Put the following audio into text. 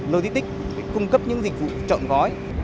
logistics cung cấp những dịch vụ trộn gói